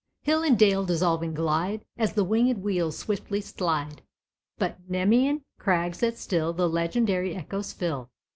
Hill and dale dissolving glide, As the winged wheels swiftly slide, By Nemæan crags that still The legendary echoes fill.